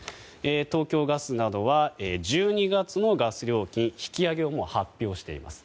東京ガスなどは１２月のガス料金の引き上げを発表しています。